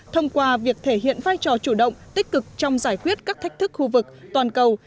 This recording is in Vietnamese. thông qua việc thể hiện vai trò chủ động tích cực trong giải quyết các thách thức khu vực toàn cầu